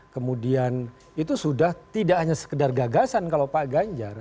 kemudian itu sudah tidak hanya sekedar gagasan kalau pak ganjar